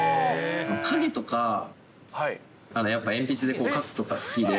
影とか、やっぱ鉛筆で描くとか好きで。